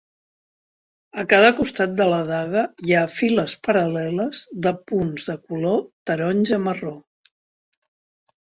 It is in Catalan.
A cada costat de la daga hi ha files paral·leles de punts de color taronja-marró.